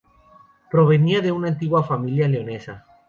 Provenía de una antigua familia leonesa.